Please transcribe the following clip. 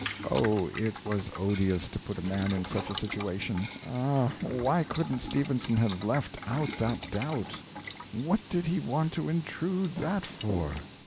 Oh, it was odious to put a man in such a situation ah, why couldn't Stephenson have left out that doubt? What did he want to intrude that for?